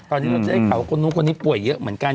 ตอนนี้เราจะได้ข่าวว่าคนนู้นคนนี้ป่วยเยอะเหมือนกัน